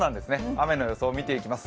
雨の予想を見ていきます。